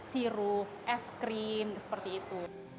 sirup es krim seperti itu